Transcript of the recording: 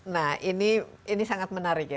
nah ini sangat menarik ya